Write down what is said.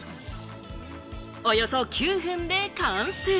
およそ９分で完成。